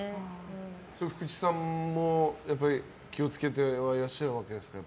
福地さんもやっぱり気を付けていらっしゃるわけですか？